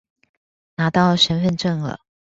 拿到身分證了